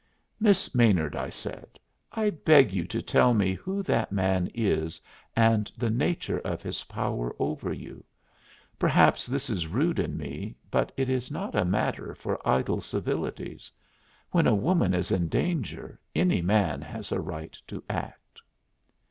"Miss Maynard," I said, "I beg you to tell me who that man is and the nature of his power over you. Perhaps this is rude in me, but it is not a matter for idle civilities. When a woman is in danger any man has a right to act."